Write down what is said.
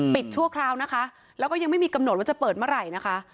ชั่วคราวนะคะแล้วก็ยังไม่มีกำหนดว่าจะเปิดเมื่อไหร่นะคะ